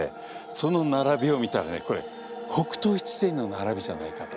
その並びを見たらねこれ北斗七星の並びじゃないかと。